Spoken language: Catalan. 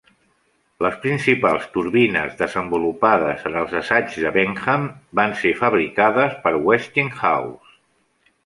Les principals turbines desenvolupades en els assaigs de "Benham" i van ser fabricades per Westinghouse.